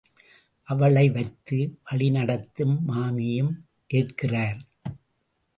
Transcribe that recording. அவளை வைத்து வழி நடத்தும் மாமியும் ஏற்கிறார்.